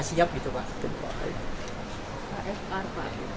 terkait dengan kesiapan pak